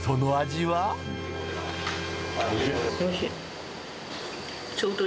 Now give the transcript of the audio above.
おいしい。